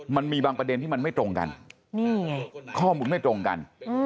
มันมีบางประเด็นที่มันไม่ตรงกันนี่ไงข้อมูลไม่ตรงกัน